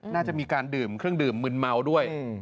น่าจะมีการดื่มเครื่องดื่มมืนเมาด้วย